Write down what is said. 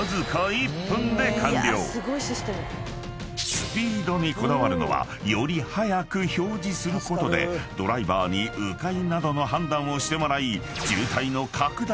［スピードにこだわるのはより早く表示することでドライバーに迂回などの判断をしてもらい］